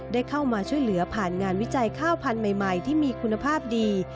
ได้เข้ามาช่วยเหลือผ่านงานวิจัยข้าวพันธุ์ใหม่ที่มีคุณภาพดี